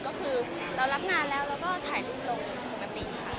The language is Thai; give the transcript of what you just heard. ก็คือเรารับนานแล้วเราก็ถ่ายรูปลงปกติค่ะ